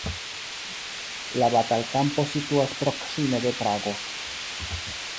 La batalkampo situas proksime de Prago.